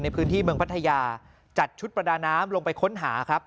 ในพื้นที่เมืองพัทยาจัดชุดประดาน้ำลงไปค้นหาครับ